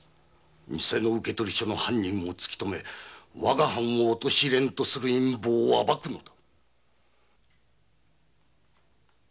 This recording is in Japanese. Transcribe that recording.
偽の受取書の犯人を突きとめわが藩を陥れんとする陰謀を暴くのだ。